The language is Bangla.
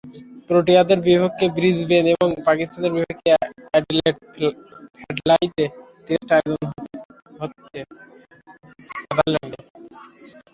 প্রোটিয়াদের বিপক্ষে ব্রিসবেনে এবং পাকিস্তানের বিপক্ষে অ্যাডিলেডে ফ্লাডলাইটে টেস্ট আয়োজনের ইচ্ছে সাদারল্যান্ডের।